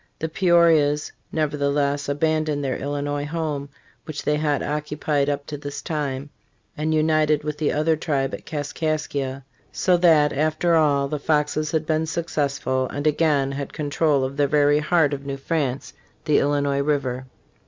The Peorias, nevertheless, abandoned their Illinois home, which they had occu pied up to this time, and united with the other tribe at, Kaskaskia, so that after all the Foxes had been successful and again had control of the very heart of New France, the Illinois river.